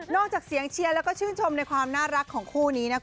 จากเสียงเชียร์แล้วก็ชื่นชมในความน่ารักของคู่นี้นะคะ